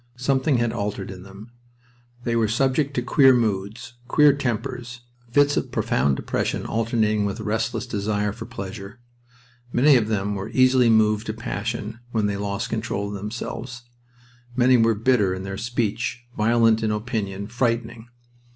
Something had altered in them. They were subject to queer moods, queer tempers, fits of profound depression alternating with a restless desire for pleasure. Many of them were easily moved to passion when they lost control of themselves. Many were bitter in their speech, violent in opinion, frightening.